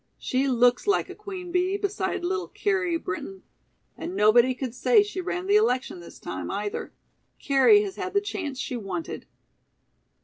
"She looks like a queen bee beside little Carrie Brinton. And nobody could say she ran the election this time, either. Carrie has had the chance she wanted."